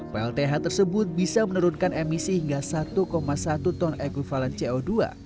plth tersebut bisa menurunkan emisi hingga satu satu ton ekvivalen co dua